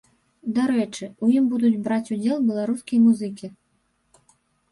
Дарэчы, у ім будуць браць удзел беларускія музыкі.